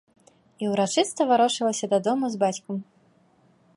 І ўрачыста варочалася дадому з бацькам.